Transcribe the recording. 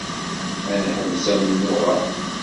Ad neḥbes amennuɣ-a.